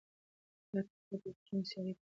دا ټوټه د یوې کوچنۍ سیارې د ټکر له امله رامنځته شوې.